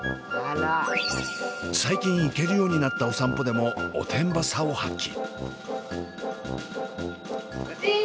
最近行けるようになったお散歩でもおてんばさを発揮。